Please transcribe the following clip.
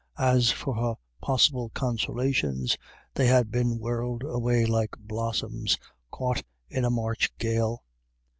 As for her possible consolations, they had been whirled away like blossoms caught in a March gale.